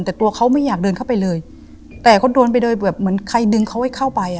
แต่ตัวเขาไม่อยากเดินเข้าไปเลยแต่เขาโดนไปโดยแบบเหมือนใครดึงเขาให้เข้าไปอ่ะ